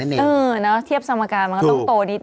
เออนะเทียบสมการมันก็ต้องโตนิดน